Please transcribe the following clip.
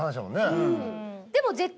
でも。